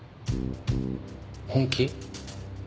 本気？